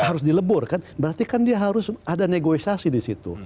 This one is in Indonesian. harus dilebur kan berarti kan dia harus ada negosiasi di situ